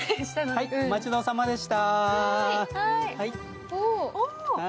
おまちどおさまでした。